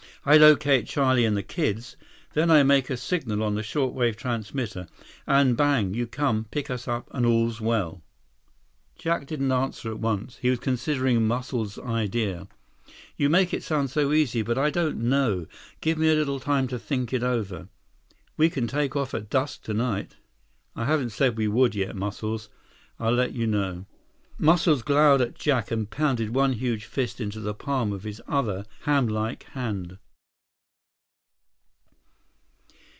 I locate Charlie and the kids, then I make a signal on the shortwave transmitter, and bang, you come, pick us up, and all's well." 103 Jack didn't answer at once. He was considering Muscles' idea. "You make it sound so easy. But I don't know. Give me a little time to think it over." "We can take off at dusk tonight." "I haven't said we would yet, Muscles. I'll let you know." Muscles glowered at Jack and pounded one huge fist into the palm of his other hamlike hand.